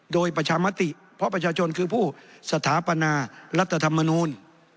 โดยประชามติเพราะประชาชนคือผู้สถาปนารัฐธรรมนูล